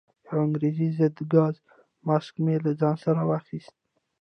یو انګریزي ضد ګاز ماسک مې له ځان سره واخیست.